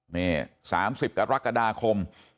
นี่๓๐กรกฎาคม